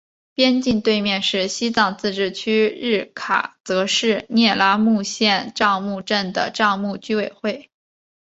边境对面是西藏自治区日喀则市聂拉木县樟木镇的樟木居委会。